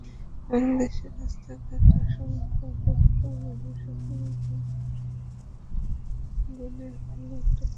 বাংলাদেশের রাস্তাঘাটে অসংখ্য অভুক্ত মানুষ এখনো দিন গোনে ভালো একটু খাবারের আশায়।